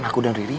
kamu dengar ris